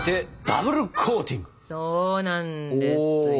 そうなんですよ。